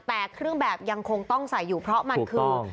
แต่เครื่องแบบยังคงต้องใส่อยู่เพราะมันคือ